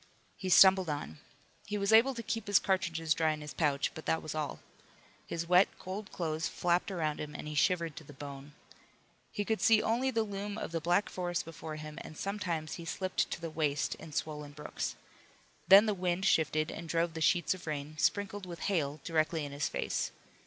He stumbled on. He was able to keep his cartridges dry in his pouch, but that was all. His wet, cold clothes flapped around him and he shivered to the bone. He could see only the loom of the black forest before him, and sometimes he slipped to the waist in swollen brooks. Then the wind shifted and drove the sheets of rain, sprinkled with hail, directly in his face.